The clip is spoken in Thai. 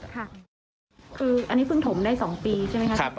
คืออันนี้เผื้องถมได้๒ปีใช่มั้ยครับ